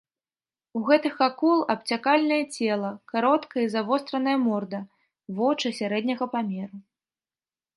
У гэтых акул абцякальнае цела, кароткая і завостраная морда, вочы сярэдняга памеру.